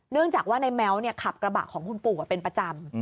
เนื่องจากว่าในแมวนี่ขับกระบะของคุณปูเป็นประจำ